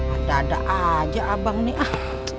ada ada aja abang nih ah